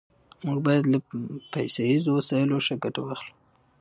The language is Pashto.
موږ بايد له پيسيزو وسايلو ښه ګټه واخلو.